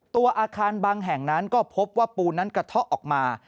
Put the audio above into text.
ตัวอาคารบางแห่งนั้นก็พบว่าปูนั้นกระเทาะออกมา